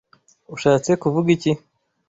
Ushatse kuvuga iki?